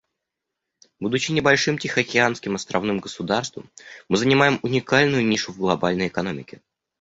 Будучи небольшим тихоокеанским островным государством, мы занимаем уникальную нишу в глобальной экономике.